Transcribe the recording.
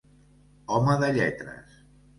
Home de lletres.